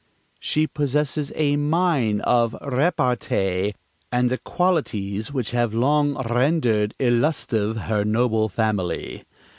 ... "She possesses a mine of repartee and the qualities which have long rendered illustive her noble family."